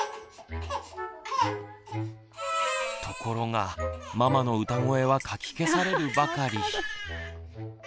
ところがママの歌声はかき消されるばかり。